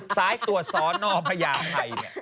ซ้ายตรวจศนพญาไทย